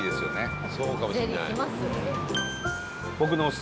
飯尾：そうかもしれない。